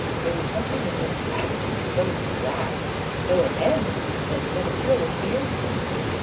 There was something in his attitude — so lax, so aband oned — that sent a thrill of fear through me.